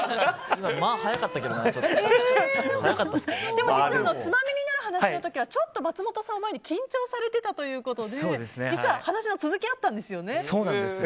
でも、実は「ツマミになる話」の時はちょっと松本さんの前で緊張されてたということで、実は話の続きがあったんですよね。